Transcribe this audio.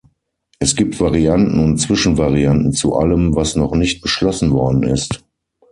Es gibt Varianten und Zwischenvarianten zu allem, was noch nicht beschlossen worden ist.